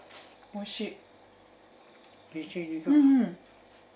おいしい。